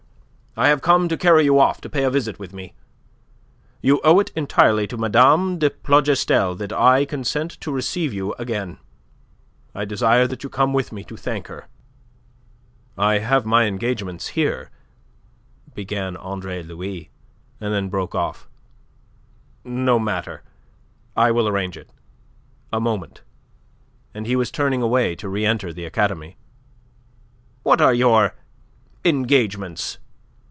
I have come to carry you off to pay a visit with me. You owe it entirely to Mme. de Plougastel that I consent to receive you again. I desire that you come with me to thank her." "I have my engagements here..." began Andre Louis, and then broke off. "No matter! I will arrange it. A moment." And he was turning away to reenter the academy. "What are your engagements?